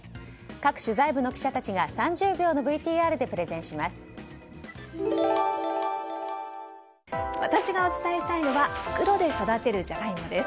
各取材部の記者たちが３０秒のＶＴＲでプレゼンします。